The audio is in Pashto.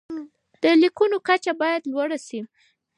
د لیکنو کچه باید لوړه شي.